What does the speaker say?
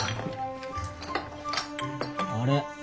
あれ？